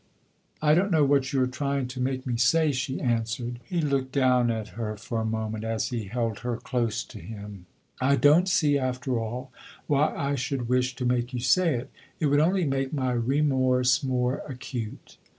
"I don't know what you are trying to make me say!" she answered. He looked down at her for a moment as he held her close to him. "I don't see, after all, why I should wish to make you say it. It would only make my remorse more acute."